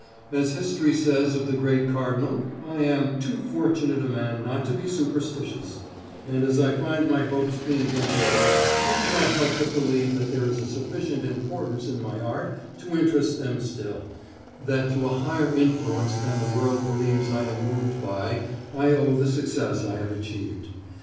As history says of the great cardinal, I am "too fortunate a man not to be superstitious," and as I find my hopes being fulfilled, I cannot help but believe that there is a sufficient importance in my art to interest them still; that to a higher influence than the world believes I am moved by I owe the success I have achieved.